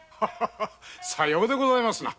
さようでございますな。